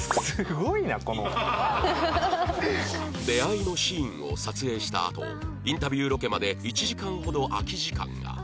出会いのシーンを撮影したあとインタビューロケまで１時間ほど空き時間が